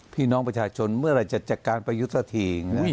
พี่น้องประชาชนเมื่อไหร่จะจัดการประยุทธ์สักที